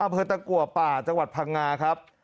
อำเภอตะกัวป่าจังหวัดพังงาครับ